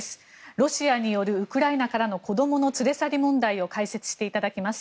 ロシアによるウクライナからの子どもの連れ去り問題を解説していただきます。